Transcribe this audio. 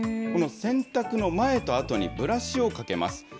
この洗濯の前と後にブラシをかけます。